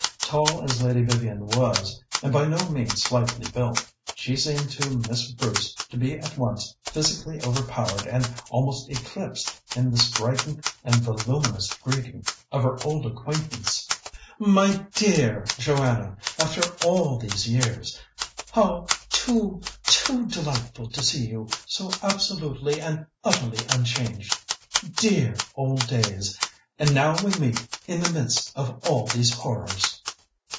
Tall as Lady Vivian was, and by no means slightly built, she seemed to Miss Bruce to be at once physically overpowered and almost eclipsed in the strident and voluminous greeting of her old acquaintance. "My dear Joanna! After all these years ... how too, too delightful to see you so absolutely and utterly unchanged! Dear old days! And now we meet in the midst of all these horrors!"